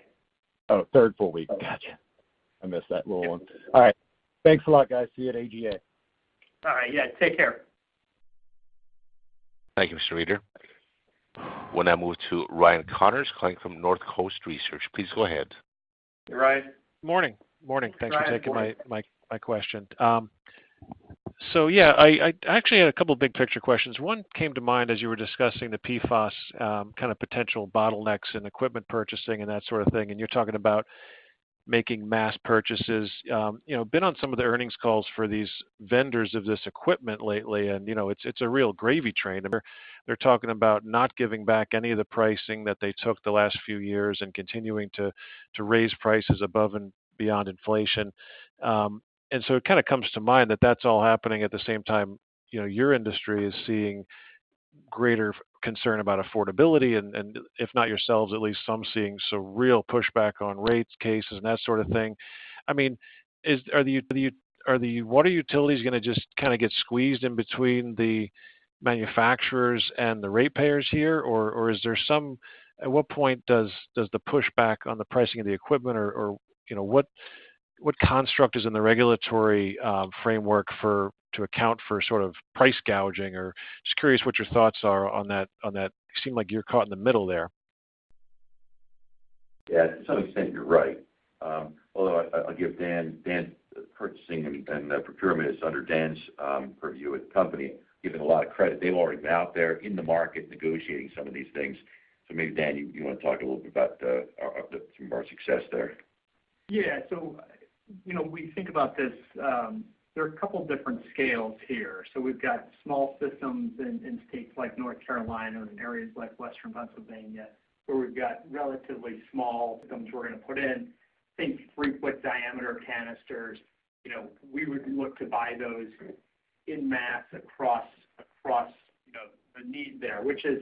Oh, third full week. Yeah. Gotcha. I missed that little one. All right. Thanks a lot, guys. See you at AGA. All right, yeah, take care. Thank you, Mr. Reeder. We'll now move to Ryan Connors calling from Northcoast Research. Please go ahead. Hey, Ryan. Morning, morning. Ryan, good morning. Thanks for taking my question. So yeah, I actually had a couple big picture questions. One came to mind as you were discussing the PFAS kind of potential bottlenecks in equipment purchasing and that sort of thing, and you're talking about making mass purchases. You know, been on some of the earnings calls for these vendors of this equipment lately, and, you know, it's a real gravy train. They're talking about not giving back any of the pricing that they took the last few years and continuing to raise prices above and beyond inflation. And so it kind of comes to mind that that's all happening at the same time, you know, your industry is seeing greater concern about affordability, and if not yourselves, at least some seeing some real pushback on rate cases, and that sort of thing. I mean, are the water utilities gonna just kind of get squeezed in between the manufacturers and the ratepayers here, or is there some? At what point does the pushback on the pricing of the equipment or, you know, what construct is in the regulatory framework for to account for sort of price gouging or just curious what your thoughts are on that? Seem like you're caught in the middle there. Yeah, to some extent, you're right. Although I give Dan, Dan's purchasing and procurement is under Dan's purview at the company, give him a lot of credit. They've already been out there in the market negotiating some of these things. So maybe, Dan, you want to talk a little bit about some of our success there? Yeah. So, you know, when we think about this, there are a couple different scales here. So we've got small systems in states like North Carolina and areas like Western Pennsylvania, where we've got relatively small systems we're gonna put in, I think, 3-foot diameter canisters. You know, we would look to buy those en masse across the need there, which is,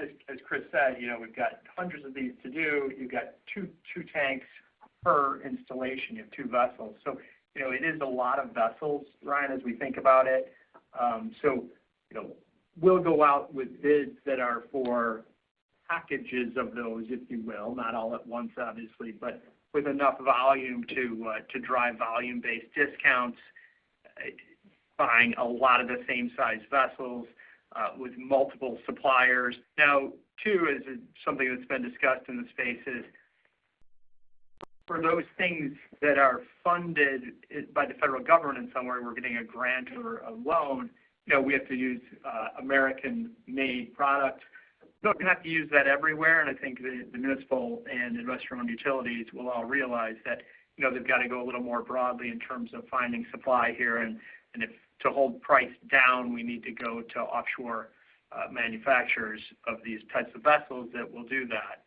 as Chris said, you know, we've got hundreds of these to do. You've got two tanks per installation. You have two vessels. So, you know, it is a lot of vessels, Ryan, as we think about it. So, you know, we'll go out with bids that are for packages of those, if you will. Not all at once, obviously, but with enough volume to drive volume-based discounts, buying a lot of the same size vessels, with multiple suppliers. Now, two, is something that's been discussed in the space is, for those things that are funded by the federal government in some way, we're getting a grant or a loan, you know, we have to use American-made products. We're not gonna have to use that everywhere, and I think the municipal and investment utilities will all realize that, you know, they've got to go a little more broadly in terms of finding supply here, and if to hold price down, we need to go to offshore manufacturers of these types of vessels that will do that.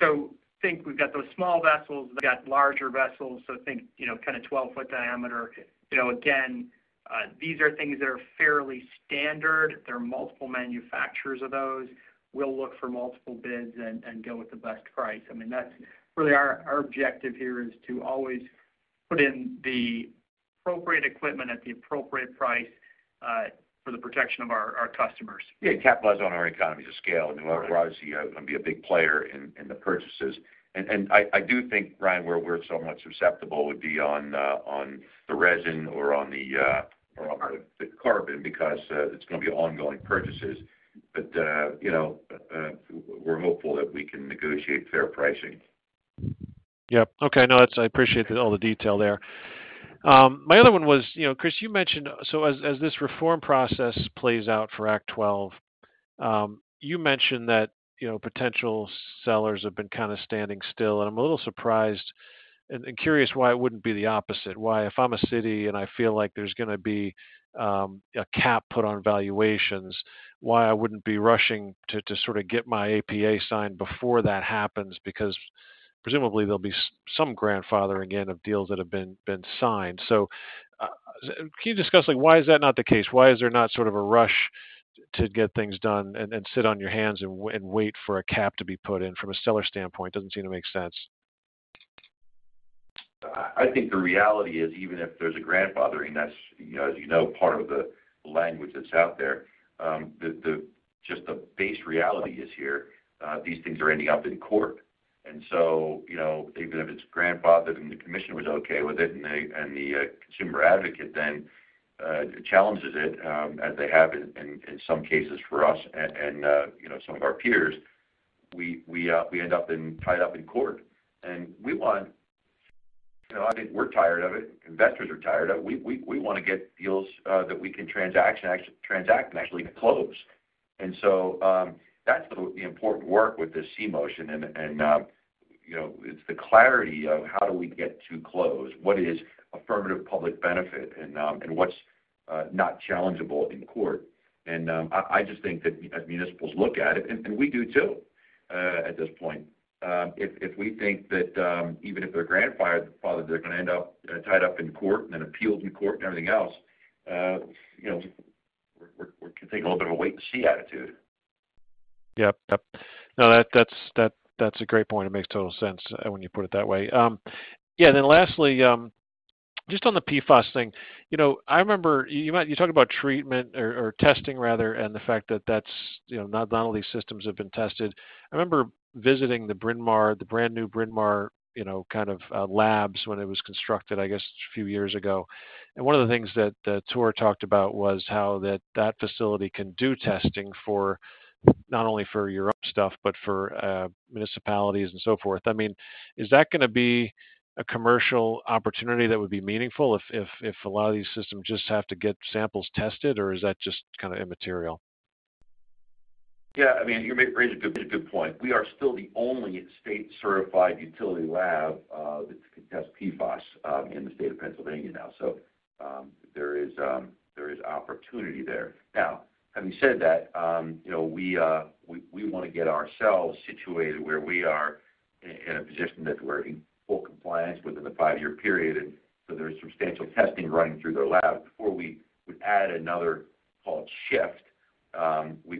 So I think we've got those small vessels, we've got larger vessels, so I think, you know, kind of 12-foot diameter. You know, again, these are things that are fairly standard. There are multiple manufacturers of those. We'll look for multiple bids and go with the best price. I mean, that's really our objective here is to always put in the appropriate equipment at the appropriate price, for the protection of our customers. Yeah, capitalize on our economies of scale. Right. We're obviously gonna be a big player in the purchases. And I do think, Ryan, where we're so much susceptible would be on the resin or on the carbon, because it's gonna be ongoing purchases. But you know, we're hopeful that we can negotiate fair pricing. Yep. Okay. No, that's I appreciate all the detail there. My other one was, you know, Chris, you mentionedso as, as this reform process plays out for Act 12, you mentioned that, you know, potential sellers have been kind of standing still, and I'm a little surprised and, and curious why it wouldn't be the opposite. Why, if I'm a city and I feel like there's gonna be a cap put on valuations, why I wouldn't be rushing to, to sort of get my APA signed before that happens? Because presumably there'll be some grandfathering in of deals that have been, been signed. So, can you discuss, like, why is that not the case? Why is there not sort of a rush to get things done and sit on your hands and wait for a cap to be put in from a seller standpoint? Doesn't seem to make sense. I think the reality is, even if there's a grandfathering, that's, as you know, part of the language that's out there, just the base reality is here, these things are ending up in court. And so, you know, even if it's grandfathered and the commission was okay with it, and the Consumer Advocate then challenges it, as they have in some cases for us and you know, some of our peers, we end up tied up in court. And we want... You know, I think we're tired of it, investors are tired of it. We wanna get deals that we can transact and actually close. So, that's the important work with this C Motion, you know, it's the clarity of how do we get to close? What is affirmative public benefit, and what's not challengeable in court? I just think that as municipals look at it, and we do too, at this point, if we think that even if they're grandfathered, they're gonna end up tied up in court and appealed in court and everything else, you know, we're taking a little bit of a wait and see attitude. Yep. Yep. No, that's a great point. It makes total sense when you put it that way. Yeah, then lastly, just on the PFAS thing, you know, I remember you talked about treatment or testing rather, and the fact that that's, you know, not all these systems have been tested. I remember visiting the Bryn Mawr, the brand new Bryn Mawr, you know, kind of labs when it was constructed, I guess, a few years ago. And one of the things that the tour talked about was how that facility can do testing for, not only for your own stuff, but for municipalities and so forth. I mean, is that gonna be a commercial opportunity that would be meaningful if a lot of these systems just have to get samples tested, or is that just kind of immaterial? Yeah, I mean, you raise a good point. We are still the only state-certified utility lab that can test PFAS in the state of Pennsylvania now. So, there is opportunity there. Now, having said that, you know, we wanna get ourselves situated where we are in a position that we're in full compliance within the five-year period. So there is substantial testing running through their lab. Before we would add another shift,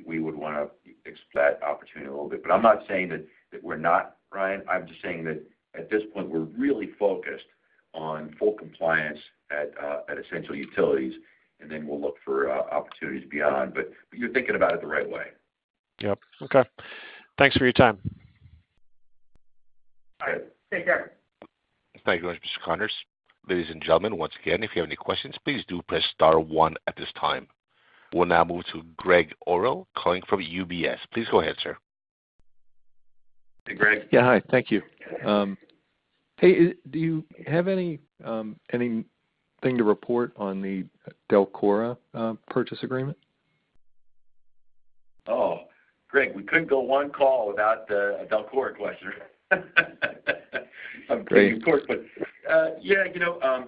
we would wanna explore that opportunity a little bit. But I'm not saying that we're not, Ryan. I'm just saying that at this point, we're really focused on full compliance at Essential Utilities, and then we'll look for opportunities beyond. But you're thinking about it the right way. Yep. Okay. Thanks for your time. All right. Take care. Thank you very much, Mr. Connors. Ladies and gentlemen, once again, if you have any questions, please do press star one at this time. We'll now move to Gregg Orrill calling from UBS. Please go ahead, sir. Hey, Greg. Yeah, hi. Thank you. Hey, do you have anything to report on the DELCORA purchase agreement? Oh, Greg, we couldn't go one call without a DELCORA question. Of course, but yeah, you know,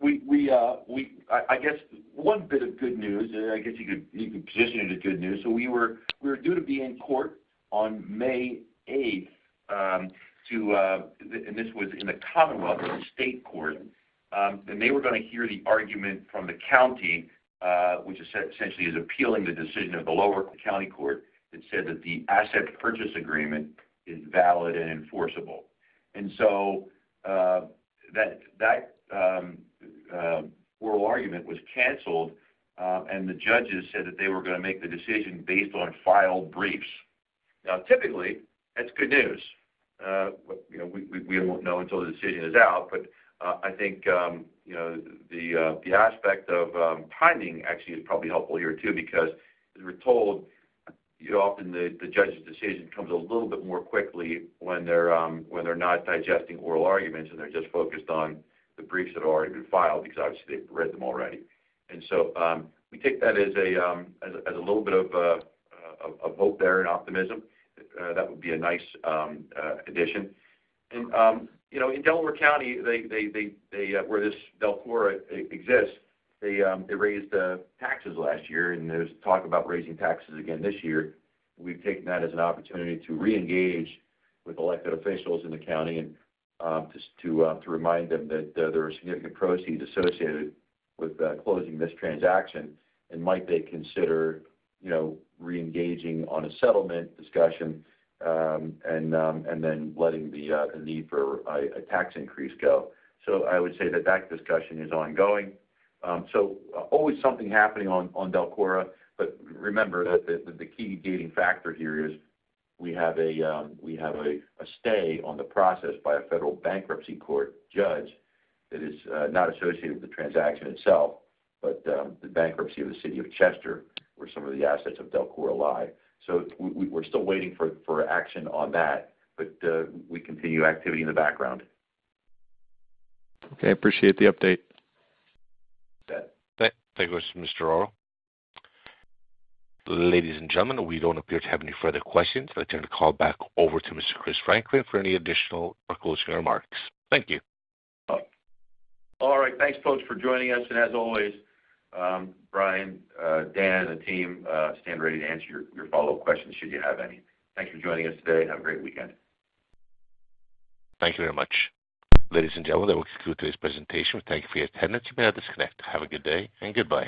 we I guess one bit of good news, I guess you could position it as good news. So we were due to be in court on May eighth to and this was in the Commonwealth, in the state court. And they were going to hear the argument from the county, which essentially is appealing the decision of the lower county court, that said that the asset purchase agreement is valid and enforceable. And so that oral argument was canceled and the judges said that they were going to make the decision based on filed briefs. Now, typically, that's good news. But, you know, we won't know until the decision is out. But, I think, you know, the aspect of timing actually is probably helpful here, too, because as we're told, you know, often the judge's decision comes a little bit more quickly when they're not digesting oral arguments, and they're just focused on the briefs that have already been filed, because obviously, they've read them already. And so, we take that as a little bit of a vote there and optimism. That would be a nice addition. And, you know, in Delaware County, where this DELCORA exists, they raised the taxes last year, and there's talk about raising taxes again this year. We've taken that as an opportunity to reengage with elected officials in the county and, just to, to remind them that there are significant proceeds associated with, closing this transaction, and might they consider, you know, reengaging on a settlement discussion, and, and then letting the, the need for a, a tax increase go. So I would say that that discussion is ongoing. So always something happening on, on DELCORA. But remember that the, the key gating factor here is we have a, we have a, a stay on the process by a federal bankruptcy court judge that is, not associated with the transaction itself, but, the bankruptcy of the City of Chester, where some of the assets of DELCORA lie. So we're still waiting for action on that, but we continue activity in the background. Okay, appreciate the update. You bet. Thank you, Mr. Orrill. Ladies and gentlemen, we don't appear to have any further questions. I turn the call back over to Mr. Chris Franklin for any additional or closing remarks. Thank you. All right. Thanks, folks, for joining us. And as always, Brian, Dan, the team stand ready to answer your follow-up questions, should you have any. Thanks for joining us today, and have a great weekend. Thank you very much. Ladies and gentlemen, that will conclude today's presentation. Thank you for your attendance. You may now disconnect. Have a good day and goodbye.